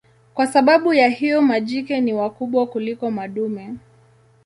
Kwa sababu ya hiyo majike ni wakubwa kuliko madume.